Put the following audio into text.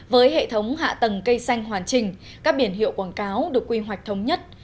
với hệ thống hạ tầng cây xanh hoàn chỉnh các biển hiệu quảng cáo được quy hoạch thống nhất